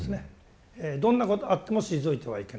どんなことあっても退いてはいけない。